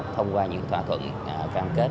thông qua những thỏa thuận cam kết